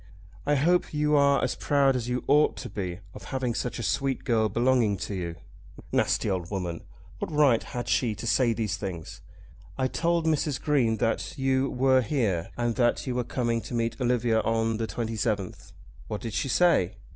"I hope you are as proud as you ought to be of having such a sweet girl belonging to you." Nasty old woman! What right had she to say these things? "I told Mrs. Green that you were here, and that you were coming to meet Olivia on the 27th." "What did she say?"